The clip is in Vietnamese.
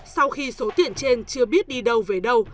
sau khi số tiền trên chưa biết đi đâu về đâu